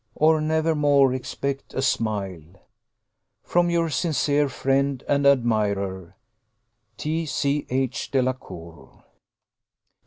or never more expect a smile "From your sincere friend and admirer, "T.C.H. DELACOUR."